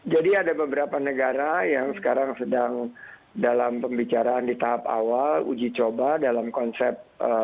jadi ada beberapa negara yang sekarang sedang dalam pembicaraan di tahap awal uji coba dalam konsep